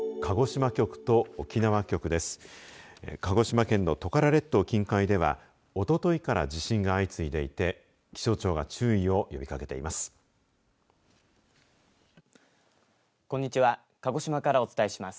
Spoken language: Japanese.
鹿児島県のトカラ列島近海ではおとといから地震が相次いでいて気象庁が注意を呼びかけています。